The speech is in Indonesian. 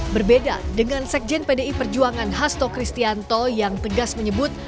berbeda dengan sekjen pdi perjuangan hasto kristianto yang tegas menyebut